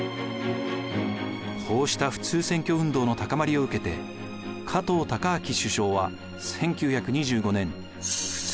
こうした普通選挙運動の高まりを受けて加藤高明首相は１９２５年普通選挙法を制定しました。